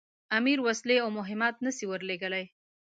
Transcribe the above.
امیر وسلې او مهمات نه سي ورلېږلای.